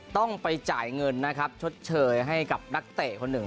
ต้องไปจ่ายเงินนะครับชดเชยให้กับนักเตะคนหนึ่ง